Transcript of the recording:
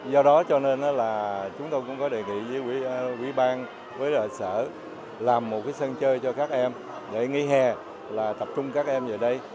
do đó cho nên là chúng tôi cũng có đề nghị với quỹ ban với sở làm một sân chơi cho các em để nghỉ hè là tập trung các em về đây